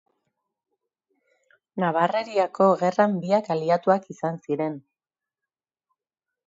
Nabarreriako Gerran biak aliatuak izan ziren.